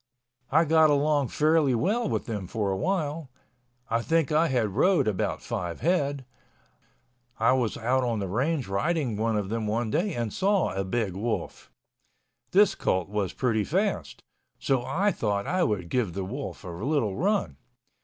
I got along fairly well with them for awhile. I think I had rode about five head. I was out on the range riding one of them one day and saw a big wolf. This colt was pretty fast. So I thought I would give the wolf a little run.